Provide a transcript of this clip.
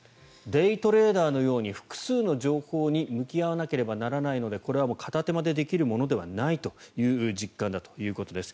デイトレーダーのように複数の情報に向き合わなければならないのでこれは片手間でできるものではないという実感だということです。